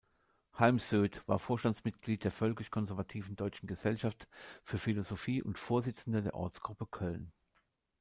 Heimsoeth war Vorstandsmitglied der völkisch-konservativen Deutschen Gesellschaft für Philosophie und Vorsitzender der Ortsgruppe Köln.